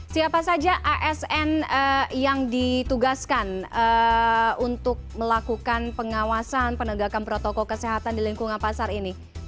siapa saja asn yang ditugaskan untuk melakukan pengawasan penegakan protokol kesehatan di lingkungan pasar ini